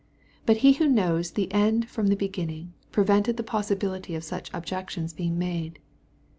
But He who knows the end from the beginning, prevented the possi bility of such objections being made.